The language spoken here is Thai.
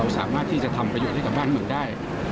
สามารถที่จะทำประโยชน์ให้กับบ้านเมืองได้